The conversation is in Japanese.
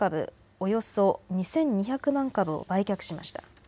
およそ２２００万株を売却しました。